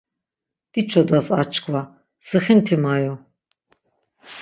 Diçodas aşkva, sixinti mayu.